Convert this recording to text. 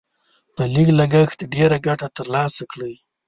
په لږ لګښت ډېره ګټه تر لاسه کړئ.